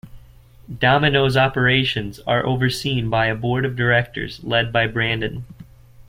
Domino's operations are overseen by a board of directors led by Brandon.